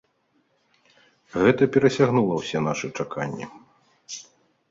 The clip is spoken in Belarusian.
Гэта перасягнула ўсе нашы чаканні.